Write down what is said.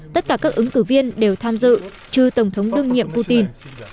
tất cả các ứng cử viên đều tham dự trừ tổng thống đương nhiệm putin